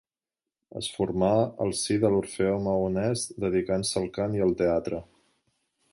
Es formà al si de l'Orfeó Maonès dedicant-se al cant i al teatre.